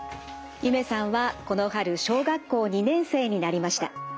ゆめさんはこの春小学校２年生になりました。